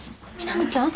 南ちゃん！